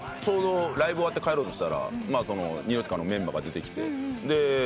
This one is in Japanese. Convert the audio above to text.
ちょうどライブ終わって帰ろうとしたらニューロティカのメンバーが出てきて。